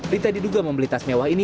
rita diduga membeli tas mewah ini